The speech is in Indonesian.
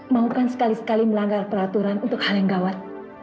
mau kan sekali kali melanggar peraturan untuk hal yang gawat